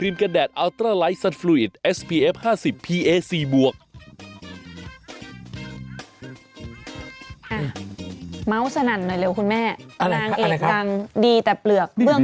มาวสนันหน่อยเร็วคุณแม่อะไรครับอันนั่นแย่ใหญ่กันดีแต่เปลือก